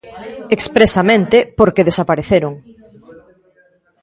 Expresamente, porque desapareceron.